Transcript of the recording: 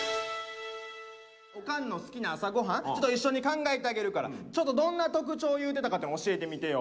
おかんの好きな朝ご飯ちょっと一緒に考えてあげるからちょっとどんな特徴言うてたかっていうのを教えてみてよ。